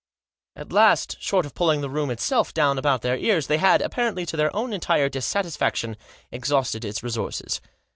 At last, short of pulling the room itself down about their ears, they had, apparently to their own entire dissatisfaction, exhausted its resources.